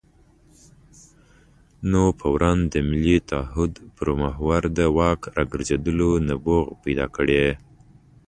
نو فوراً د ملي تعهد پر محور د واک راګرځېدلو نبوغ پیدا کړي.